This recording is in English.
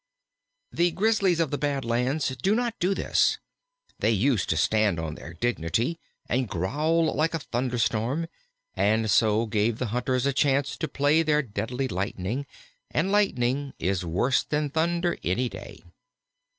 The Grizzlies of the Bad Lands did not do this: they used to stand on their dignity and growl like a thunder storm, and so gave the hunters a chance to play their deadly lightning; and lightning is worse than thunder any day.